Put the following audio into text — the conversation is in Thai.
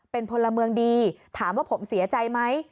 เป็นพลเมืองดีถามว่าผมเสียใจไหม